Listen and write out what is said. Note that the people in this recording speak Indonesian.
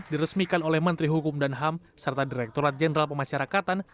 diresmikan oleh menteri hukum dan ham serta direkturat jenderal pemasyarakatan